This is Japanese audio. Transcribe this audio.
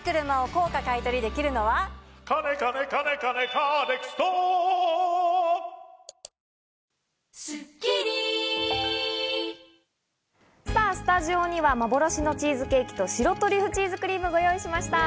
カネカネカネカネカーネクストスタジオには幻のチーズケーキと白トリュフチーズクリームをご用意しました。